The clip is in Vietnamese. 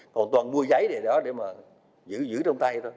còn toàn mua giấy để đó để mà giữ giữ trong tay thôi